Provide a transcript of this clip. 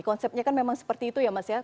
konsepnya kan memang seperti itu ya mas ya